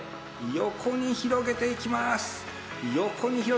横に広げていまーす。